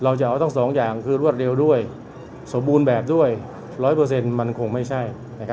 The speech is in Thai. จะเอาทั้งสองอย่างคือรวดเร็วด้วยสมบูรณ์แบบด้วย๑๐๐มันคงไม่ใช่